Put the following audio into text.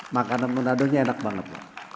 makanan menaduhnya enak banget